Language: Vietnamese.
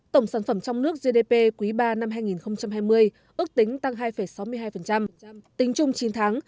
tổng sản phẩm trong nước gdp quý ba năm hai nghìn hai mươi ước tính tăng hai sáu mươi hai tính chung chín tháng